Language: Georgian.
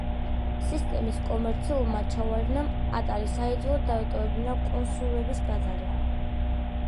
სისტემის კომერციულმა ჩავარდნამ ატარის აიძულა დაეტოვებინა კონსოლების ბაზარი.